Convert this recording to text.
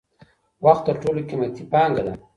وخت تر ټولو قیمتی پانګه ده.